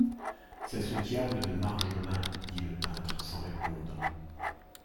C’est ce diable de Marjolin, dit le peintre sans répondre.